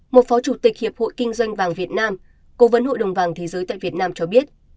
một phó chủ tịch hiệp hội kinh doanh vàng việt nam cố vấn hội đồng vàng thế giới tại việt nam cho biết